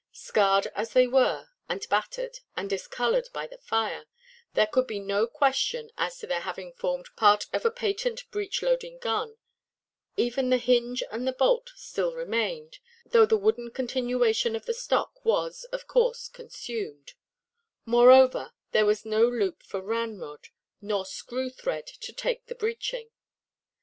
Scarred as they were, and battered, and discoloured by the fire, there could be no question as to their having formed part of a patent breech–loading gun; even the hinge and the bolt still remained, though the wooden continuation of the stock was, of course, consumed; moreover, there was no loop for ramrod, nor screw–thread to take the breeching.